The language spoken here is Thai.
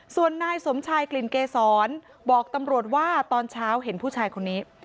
ส่วนนายสมชายกลิ่นเกษรบอกตำรวจว่าตอนเช้าเห็นผู้ชายคนนี้